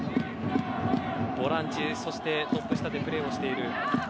ボランチ、そしてトップ下でプレーをしている。